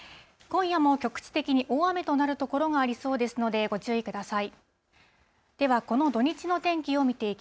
今夜も局地的に大雨となる所がありそうですので、ご注意ください。